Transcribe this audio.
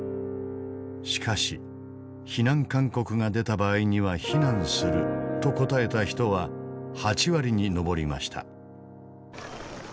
しかし「避難勧告が出た場合には避難する」と答えた人は８割に上りました。